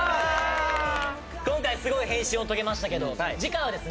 今回すごい変身を遂げましたけど次回はですね